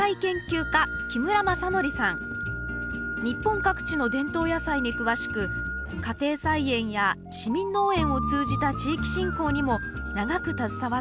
日本各地の伝統野菜に詳しく家庭菜園や市民農園を通じた地域振興にも長く携わっています